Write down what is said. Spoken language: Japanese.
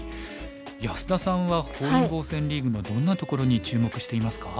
安田さんは本因坊戦リーグのどんなところに注目していますか？